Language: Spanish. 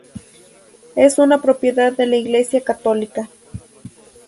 Es una propiedad de la Iglesia católica.